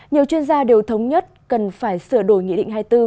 nhiều chuyên gia đều thống nhất cần phải sửa đổi nghị định hai mươi bốn